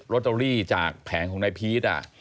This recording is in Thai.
ตเตอรี่จากแผงของนายพีช